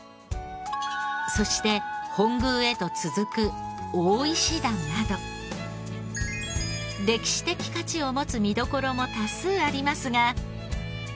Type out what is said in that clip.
そして本宮へと続く大石段など歴史的価値を持つ見どころも多数ありますが。